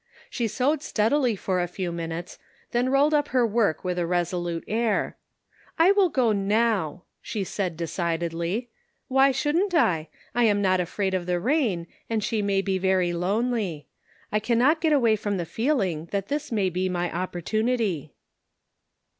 She sewed steadily for a few minutes, then rolled up her work with a resolute air. " I will go now" she said, decidedly. " Why shouldn't I ? 1 am not afraid of the rain and she may be very lonely. I can not get away from the feeling that this may be my opportunity."